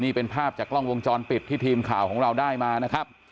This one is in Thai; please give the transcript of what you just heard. นี่เป็นภาพจากกล้องวงจรปิดที่ทีมข่าวของเราได้มานะครับ